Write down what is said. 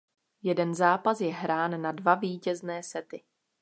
Jeden zápas je hrán na dva vítězné sety.